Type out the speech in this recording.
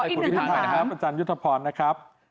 อาจารย์ยุทธพรนะครับ